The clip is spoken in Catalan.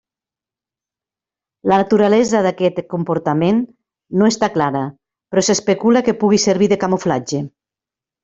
La naturalesa d'aquest comportament no està clara, però s'especula que pugui servir de camuflatge.